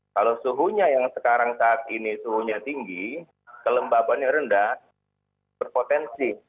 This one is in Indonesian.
kalau suhunya yang sekarang saat ini suhunya tinggi kelembabannya rendah berpotensi